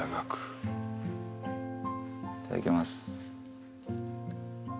いただきます。